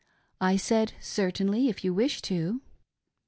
I said, " Certainly, if you wish to.''